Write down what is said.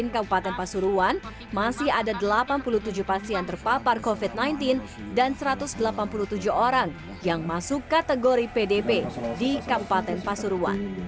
kabupaten pasuruan masih ada delapan puluh tujuh pasien terpapar covid sembilan belas dan satu ratus delapan puluh tujuh orang yang masuk kategori pdp di kabupaten pasuruan